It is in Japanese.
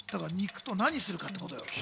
何するかってことよ。